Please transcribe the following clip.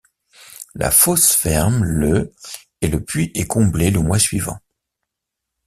La fosse ferme le et le puits est comblé le mois suivant.